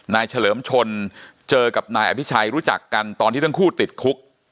เฉลิมชนเจอกับนายอภิชัยรู้จักกันตอนที่ทั้งคู่ติดคุก